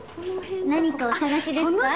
何かお探しですか？